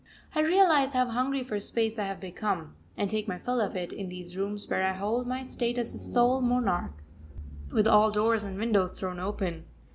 _ I realise how hungry for space I have become, and take my fill of it in these rooms where I hold my state as sole monarch, with all doors and windows thrown open.